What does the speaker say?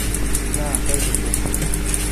نه خیلی خوب.